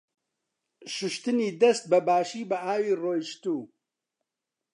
شوشتنی دەست بە باشی بە ئاوی ڕۆیشتوو.